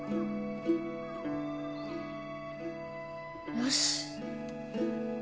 よし。